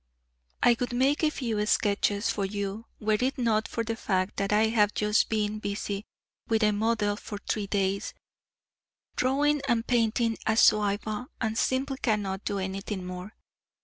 I would make a few sketches for you were it not for the fact that I have just been busy with a model for three days drawing and painting a Zouave and simply cannot do anything more.